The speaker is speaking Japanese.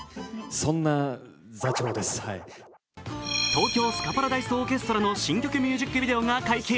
東京スカパラダイスオーケストラの新曲ミュージックビデオが解禁。